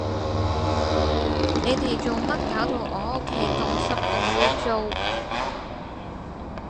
你哋做乜搞到我屋企咁濕咁污糟